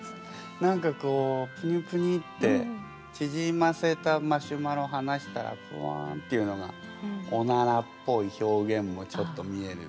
何かこうぷにぷにってちぢませたマシュマロはなしたらふわんっていうのがおならっぽい表現もちょっと見える。